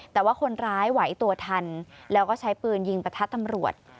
แต่ว่าคนร้ายไหวตัวทันแล้วก็ใช้ปืนยิงประทัดตำรวจ